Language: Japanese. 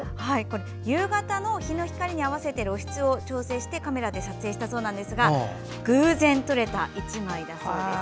夕方の日の光に合わせて露出を調整してカメラで撮影したそうなんですが偶然撮れた１枚だそうです。